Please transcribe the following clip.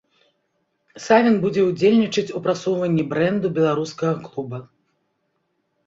Савін будзе ўдзельнічаць у прасоўванні брэнду беларускага клуба.